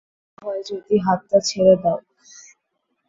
ভালো হয় যদি হাতটা ছেড়ে দাও!